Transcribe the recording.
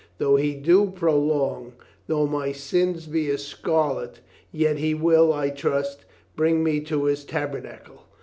Though He do prolong, though my sins be as scarlet, yet He will, I trust, bring me to His tabernacle.